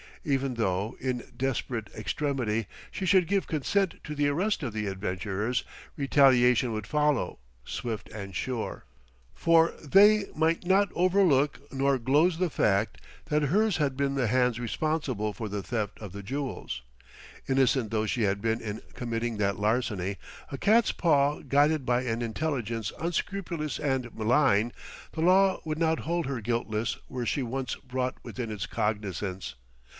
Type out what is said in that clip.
Even though, in desperate extremity, she should give consent to the arrest of the adventurers, retaliation would follow, swift and sure. For they might not overlook nor gloze the fact that hers had been the hands responsible for the theft of the jewels; innocent though she had been in committing that larceny, a cat's paw guided by an intelligence unscrupulous and malign, the law would not hold her guiltless were she once brought within its cognizance.